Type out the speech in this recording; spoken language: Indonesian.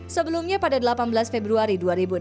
sebelumnya pada delapan belas februari dua ribu enam belas